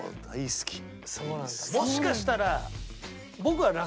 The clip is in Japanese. もしかしたら。